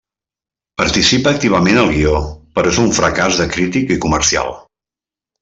Participa activament al guió, però és un fracàs de crític i comercial.